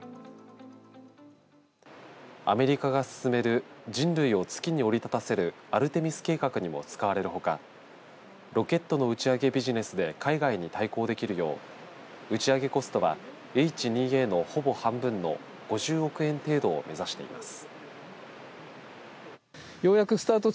アメリカが進める人類を月に降り立たせるアルテミス計画にも使われるほかロケットの打ち上げビジネスで海外に対抗できるよう打ち上げコストはＨ２Ａのほぼ半分の５０億円程度を目指しています。